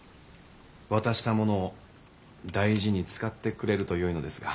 渡したものを大事に使ってくれるとよいのですが。